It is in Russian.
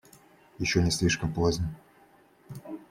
Еще не слишком поздно.